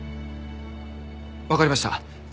わかりました。